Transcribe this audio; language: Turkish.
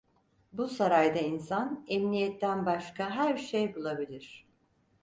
Bu sarayda insan emniyetten başka her şey bulabilir…